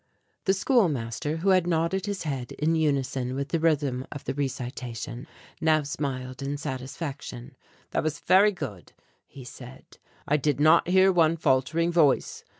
The schoolmaster, who had nodded his head in unison with the rhythm of the recitation, now smiled in satisfaction. "That was very good," he said. "I did not hear one faltering voice.